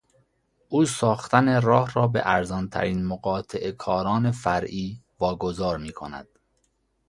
او ساختن راه را به ارزانترین مقاطعهکاران فرعی واگذار میکند.